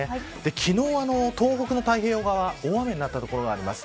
昨日、東北の太平洋側は大雨になった所があります。